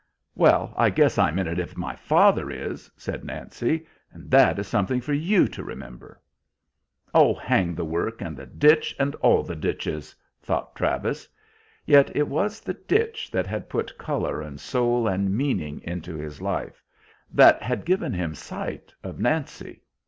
"Well, I guess I'm in it if my father is," said Nancy, "and that is something for you to remember." "Oh, hang the work and the ditch and all the ditches!" thought Travis; yet it was the ditch that had put color and soul and meaning into his life, that had given him sight of Nancy.